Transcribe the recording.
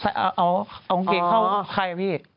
เอาเกงเข้าใครพี่